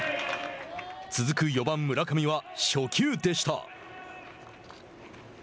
続く４番村上は、初球でした。